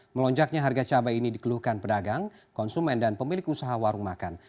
melonjaknya harga cabai ini dikeluhkan pedagang konsumen dan pemilik usaha warung makan